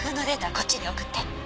こっちに送って」